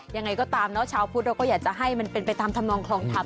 ยังไงก็ตามเนอะชาวพุทธเราก็อยากจะให้มันเป็นไปตามธรรมนองคลองธรรม